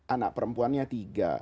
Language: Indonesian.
anak perempuannya tiga